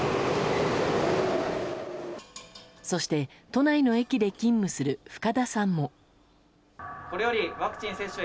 そして、都内の駅で勤務する深田さんも。